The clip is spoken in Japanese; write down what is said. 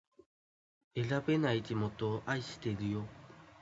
選べない地元を愛してるよ